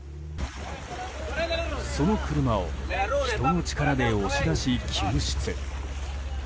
その車を人の力で押し出し、救出。